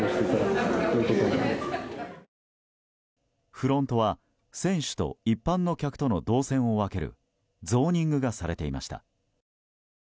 フロントは選手と一般の客との動線を分けるゾーニングがされていました。